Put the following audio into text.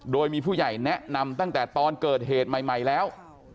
โดยมีผู้ใหญ่แนะนำตั้งแต่ตอนเกิดเหตุใหม่แล้ว